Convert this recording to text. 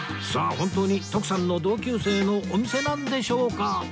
本当に徳さんの同級生のお店なんでしょうか？